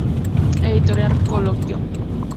Editorial Coloquio.